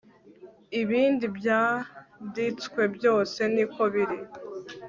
ibindi byanditswe byose niko biri